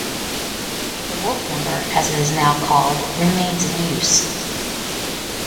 The Wolf number, as it is now called, remains in use.